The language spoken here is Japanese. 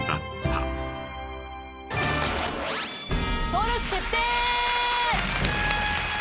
登録決定！